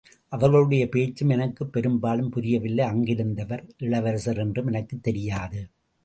அவர்களுடைய பேச்சும் எனக்குப் பெரும்பாலும் புரியவில்லை அங்கிருந்தவர் இளவரசர் என்றும் எனக்குத் தெரியாது.